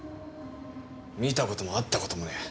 見た事も会った事もねえ。